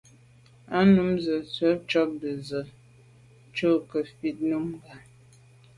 Á nǔm rə̂ jû zə̄ à' cûp bí gə́ zî cû vút gí bú Nùngà.